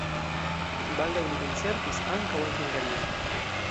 Baldaŭ li koncertis ankaŭ en Hungario.